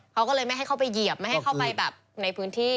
เขาก็เลยไม่ให้เข้าไปเหยียบไม่ให้เข้าไปแบบในพื้นที่